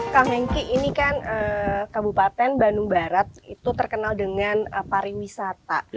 kang henki ini kan kabupaten bandung barat itu terkenal dengan pariwisata